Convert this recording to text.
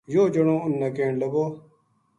یوہ جنو اُنھ نا کہن لگو